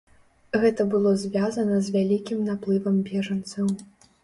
Гэта было звязана з вялікім наплывам бежанцаў.